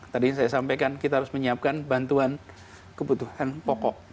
tadi saya sampaikan kita harus menyiapkan bantuan kebutuhan pokok